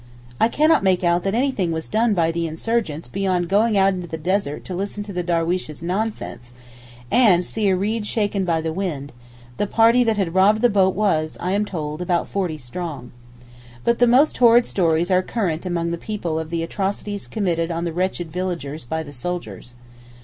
I cannot make out that anything was done by the 'insurgents' beyond going out into the desert to listen to the darweesh's nonsense, and 'see a reed shaken by the wind;' the party that robbed the boat was, I am told, about forty strong. But the most horrid stories are current among the people of the atrocities committed on the wretched villagers by the soldiers.